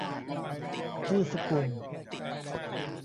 ชื่อสกุล